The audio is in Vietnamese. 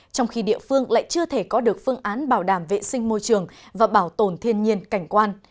trong khi địa phương lại chưa thể có được phương án bảo đảm vệ sinh môi trường và bảo tồn thiên nhiên cảnh quan